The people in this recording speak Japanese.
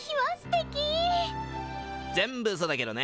全部ウソだけどね。